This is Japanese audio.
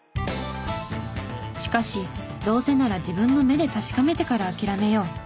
しかし「どうせなら自分の目で確かめてから諦めよう」。